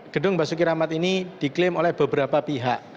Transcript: gedung basuki rahmat ini diklaim oleh beberapa pihak